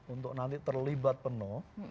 untuk nanti terlibat penuh